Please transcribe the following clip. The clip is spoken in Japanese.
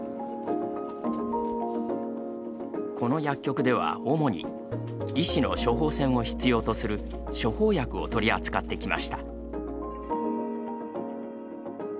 この薬局では主に医師の処方箋を必要とする処方薬を取り扱ってきました。